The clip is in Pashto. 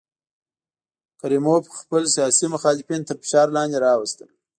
کریموف خپل سیاسي مخالفین تر فشار لاندې راوستل.